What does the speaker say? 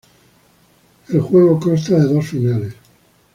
El juego consta de dos finales.